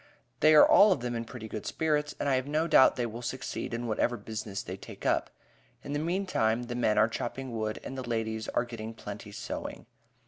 They are all of them in pretty good spirits, and I have no doubt they will succeed in whatever business they take up. In the mean time the men are chopping wood, and the ladies are getting plenty sewing.